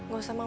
gak usah mama